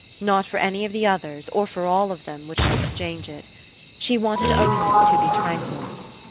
Not for any of the others, or for all of them, would she exchange it. She wanted only to be tranquil.